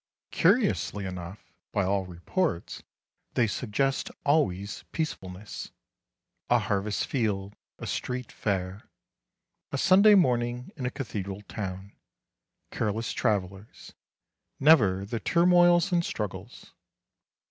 Curiously enough, by all reports, they suggest always peacefulness—a harvest field, a street fair, a Sunday morning in a cathedral town, careless travellers—never the turmoils and struggles.